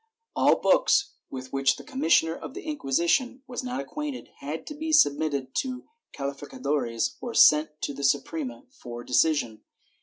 All books, with which the commissioner of the Inquisition was not acquainted, had to be submitted to cahficadores or sent to the Suprema for decision.